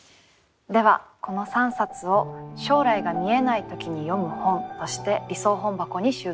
ではこの３冊を「将来が見えないときに読む本」として理想本箱に収蔵します。